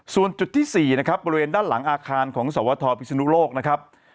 ส่วนจุดที่๔นะครับบริเวณด้านหลังอาคารของสวทพิศนุโลกนะครับ